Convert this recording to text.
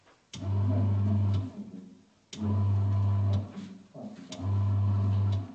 The imagery used in the painted lodges has been passed down through generations.